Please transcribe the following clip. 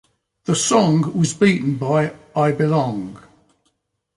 The song was beaten by "I Belong".